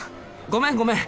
ごめんごめん。